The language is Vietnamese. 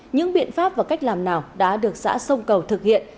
những biện pháp và cách làm nào đã được xã sông cầu thực hiện